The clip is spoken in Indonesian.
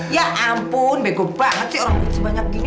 ya ampun bego banget sih orang duit sebanyak ini